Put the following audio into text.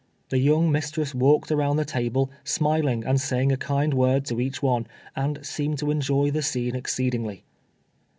The young mis tress walked around the table, smiling and saying a kind word to each one, and seemed to enjoy the scene exceedingly.